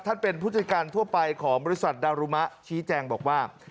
เป็นผู้จัดการทั่วไปของบริษัทดารุมะชี้แจงบอกว่า